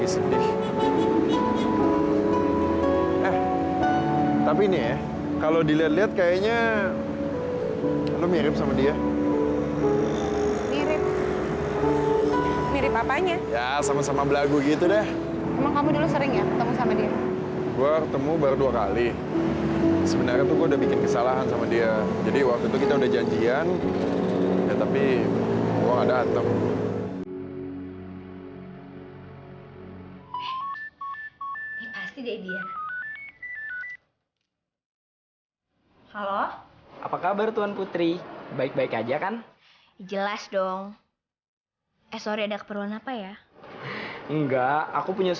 sampai jumpa di video selanjutnya